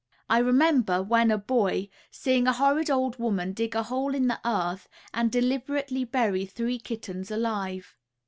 I remember, when a boy, seeing a horrid old woman dig a hole in the earth and deliberately bury three kittens alive.